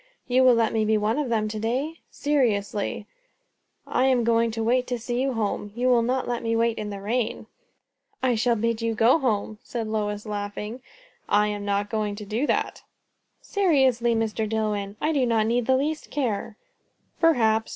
"You will let me be one of them to day? Seriously, I am going to wait to see you home; you will not let me wait in the rain?" "I shall bid you go home," said Lois, laughing. "I am not going to do that." "Seriously, Mr. Dillwyn, I do not need the least care." "Perhaps.